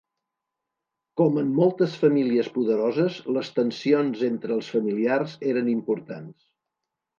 Com en moltes famílies poderoses, les tensions entre els familiars eren importants.